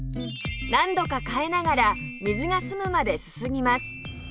何度か替えながら水が澄むまですすぎます